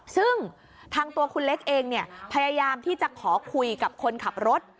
ซึ่งทางตัวคุณเล็กเองพยายามที่จะขอคุยกับคนขับรถ